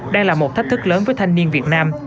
đang là một thách thức lớn với thanh niên việt nam